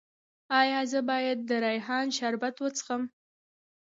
ایا زه باید د ریحان شربت وڅښم؟